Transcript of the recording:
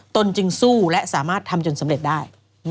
ตนจึงสู้และสามารถทำจนสำเร็จได้